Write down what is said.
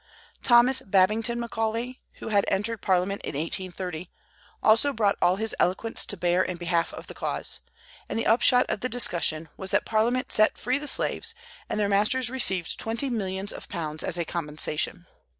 Thomas Babington Macaulay, who had entered Parliament in 1830, also brought all his eloquence to bear in behalf of the cause; and the upshot of the discussion was that Parliament set free the slaves, and their masters received twenty millions of pounds as a compensation.